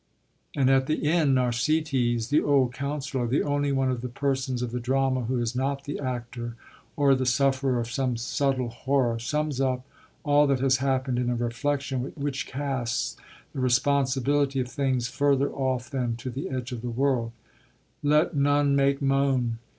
And at the end Narsetes, the old councillor, the only one of the persons of the drama who is not the actor or the sufferer of some subtle horror, sums up all that has happened in a reflection which casts the responsibility of things further off than to the edge of the world: Let none make moan.